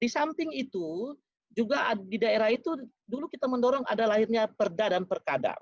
di samping itu juga di daerah itu dulu kita mendorong ada lahirnya perda dan perkada